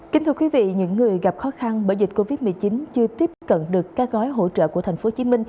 kính thưa quý vị những người gặp khó khăn bởi dịch covid một mươi chín chưa tiếp cận được các gói hỗ trợ của tp hcm